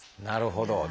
なるほど。